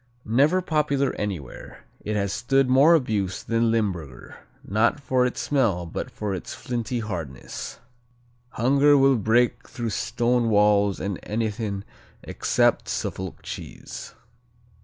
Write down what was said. Never popular anywhere, it has stood more abuse than Limburger, not for its smell but for its flinty hardness. "Hunger will break through stone walls and anything except a Suffolk cheese."